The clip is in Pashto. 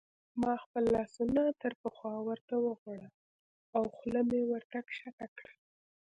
ما خپل لاسونه تر پخوا ورته وغوړول او خوله مې ورته کښته کړل.